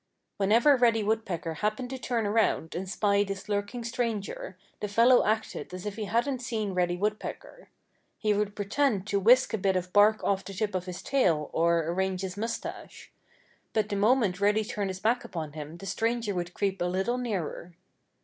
Whenever Reddy Woodpecker happened to turn around and spy this lurking stranger the fellow acted as if he hadn't seen Reddy Woodpecker. He would pretend to whisk a bit of bark off the tip of his tail, or arrange his mustache. But the moment Reddy turned his back upon him the stranger would creep a little nearer.